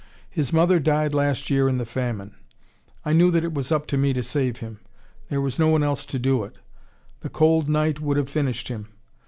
His mother died last year in the famine. I knew that it was up to me to save him. There was no one else to do it. The cold night would have finished him.